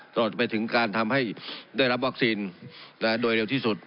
ตลอดไปถึงการทำให้ได้รับวัคซีนโดยเร็วที่สุด